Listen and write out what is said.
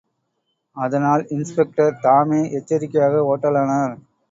அதனால் இன்ஸ்பெக்டர் தாமே எச்சரிக்கையாக ஓட்டலானார்.